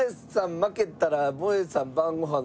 負けたらもえさん晩ご飯の。